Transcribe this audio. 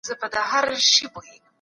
ځینې خلک تر فشار لاندې چوپ کېږي.